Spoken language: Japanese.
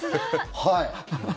はい。